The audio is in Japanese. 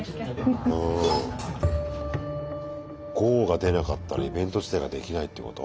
ＧＯが出なかったらイベント自体ができないってこと？